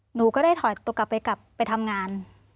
หนูก็ได้ถอยตัวกลับไปทำงาน